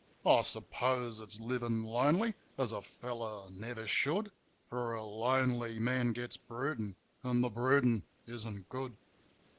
I suppose it's livin' lonely, as a fellow never should; For a lonely man gets broodin', an' the broodin' isn't good.